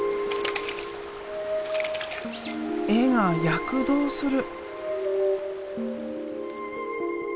絵が躍動する。